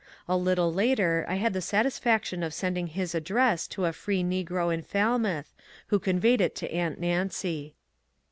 A little later I had the satisfaction of sending his address to a free negro in Falmouth, who conveyed it to aunt Nancy.